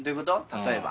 例えば。